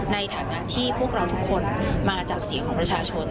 ในฐานะที่พวกเราทุกคนมาจากเสียงของประชาชน